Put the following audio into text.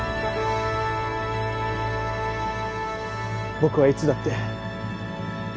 僕はいつだって。